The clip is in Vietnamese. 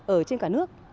ở trên cả nước